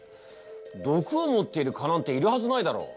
毒を持っている蚊なんているはずないだろう。